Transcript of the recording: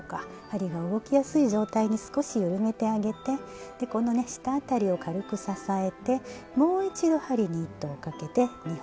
針が動きやすい状態に少し緩めてあげてでこの下辺りを軽く支えてもう一度針に糸をかけて２本とも抜きます。